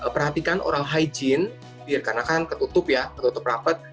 perhatikan orang hygiene karena kan ketutup ya ketutup rapat